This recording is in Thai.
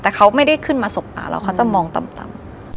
แต่เขาไม่ได้ขึ้นมาสบตาเราเขาจะมองต่ำ